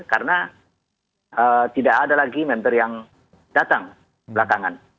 karena tidak ada lagi member yang datang belakangan